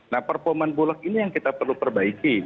nah performa bulog ini yang kita perlu perbaiki